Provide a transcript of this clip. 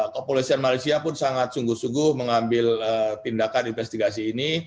kepolisian malaysia pun sangat sungguh sungguh mengambil tindakan investigasi ini